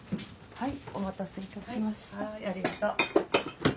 はい。